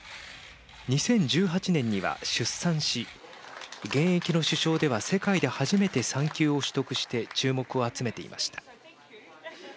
２０１８年には出産し現役の首相では世界で初めて産休を取得して注目を集めていました。